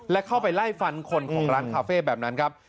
และเข้าไปไล่ฟันคนของร้านคาเฟ่แบบนั้นครับ